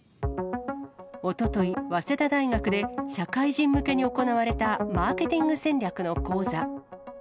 おととい、早稲田大学で社会人向けに行われた、マーケティング戦略の講座。